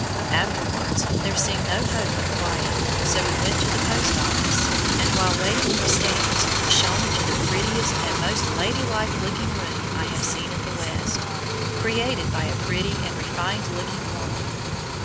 Afterwards, there seemed no hope of quiet, so we went to the post office, and while waiting for stamps were shown into the prettiest and most ladylike looking room I have seen in the West, created by a pretty and refined looking woman.